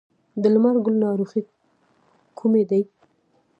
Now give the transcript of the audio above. د لمر ګل ناروغۍ کومې دي؟